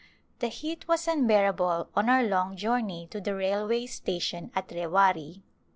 The heat was unbearable on our long journey to the railway station at Rewari.